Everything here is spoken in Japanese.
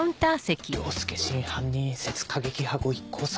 凌介真犯人説過激派ご一行様。